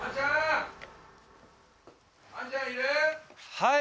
・はい！